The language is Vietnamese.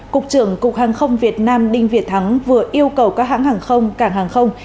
cục trưởng cục hàng không việt nam đinh việt thắng vừa yêu cầu các hãng hàng không cảng hàng không